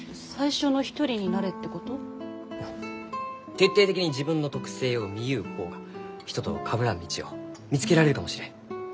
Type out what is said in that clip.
徹底的に自分の特性を見ゆう方が人とはかぶらん道を見つけられるかもしれん。